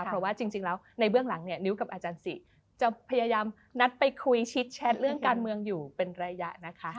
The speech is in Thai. เพราะว่าจริงแล้วในเบื้องหลังเนี่ยนิ้วกับอาจารย์ศิจะพยายามนัดไปคุยชิดแชทเรื่องการเมืองอยู่เป็นระยะนะคะ